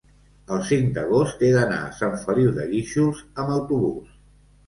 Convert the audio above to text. el cinc d'agost he d'anar a Sant Feliu de Guíxols amb autobús.